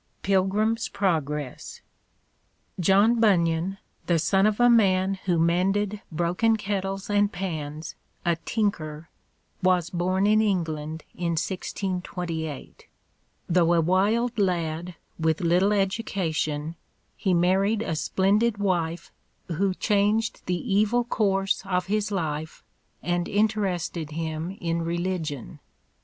PILGRIM'S PROGRESS _John Bunyan, the son of a man who mended broken kettles and pans, a tinker, was born in England in 1628. Though a wild lad, with little education, he married a splendid wife who changed the evil course of his life and interested him in religion.